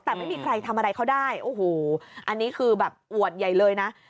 แต่ไม่มีใครทำอะไรเขาได้โอ้โหอันนี้คือแบบอวดใหญ่เลยนะ